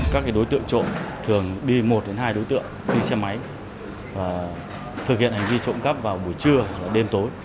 các đối tượng trộm thường đi một hai đối tượng đi xe máy và thực hiện hành vi trộm cắp vào buổi trưa đêm tối